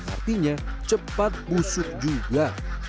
artinya cepat busuk juga